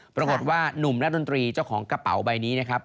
ปรากฏว่านุ่มนักดนตรีเจ้าของกระเป๋าใบนี้นะครับ